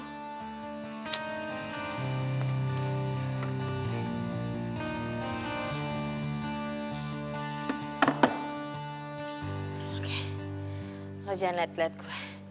oke lo jangan lihat lihat gue